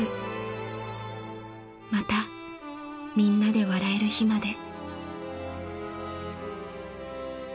［またみんなで笑える日まで］